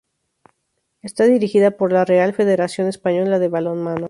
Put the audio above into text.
Está dirigida por la Real Federación Española de Balonmano.